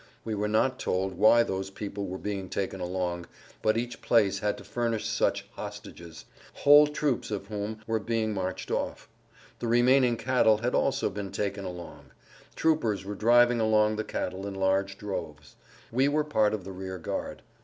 We were not told why those people were being taken along, but each place had to furnish such "hostages," whole troops of whom were being marched off. The remaining cattle had also been taken along; troopers were driving along the cattle in large droves. We were part of the rear guard.